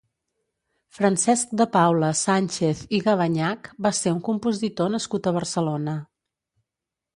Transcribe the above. Francesc de Paula Sánchez i Gavagnach va ser un compositor nascut a Barcelona.